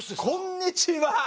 こんにちは。